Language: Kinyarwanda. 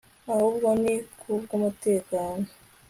ahubwo ni ku bw umutekano